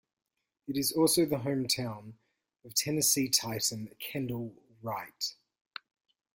It is also the hometown of Tennessee Titan Kendall Wright.